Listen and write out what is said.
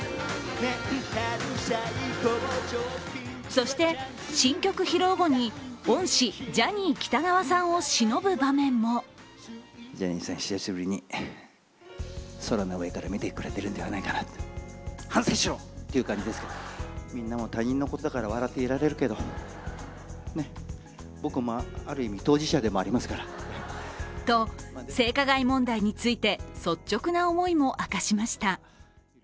そして、新曲披露後に恩師・ジャニー喜多川さんをしのぶ場面もと、性加害問題について率直な思いも明かしました。